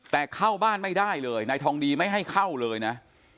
แต่เข้าบ้านไม่ได้เลยนายทองดีไม่ให้เข้าเลยนะ